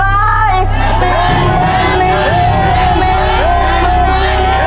หนึ่งมือเรียบร้อย